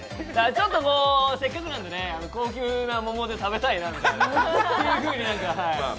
ちょっとこう、せっかくなんでね高級な桃で食べたいなみたいな。